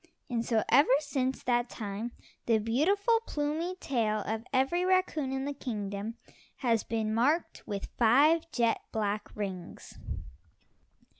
And so ever since that time the beautiful, plumy tail of every raccoon in the kingdom has been marked with five jet black rings.